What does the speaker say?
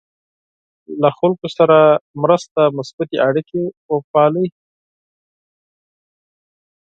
له خلکو سره مثبتې اړیکې وپالئ.